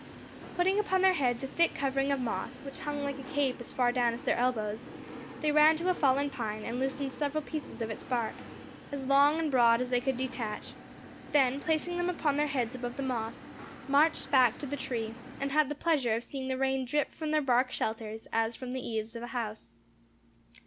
Putting upon their heads a thick covering of moss, which hung like a cape as far down as their elbows, they ran to a fallen pine, and loosened several pieces of its bark, as long and broad as they could detach, then placing them upon their heads above the moss, marched back to the tree, and had the pleasure of seeing the rain drip from their bark shelters as from the eaves of a house.